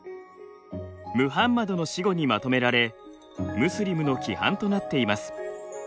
ムハンマドの死後にまとめられムスリムの規範となっています。